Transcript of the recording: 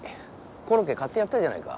コロッケ買ってやったじゃないか。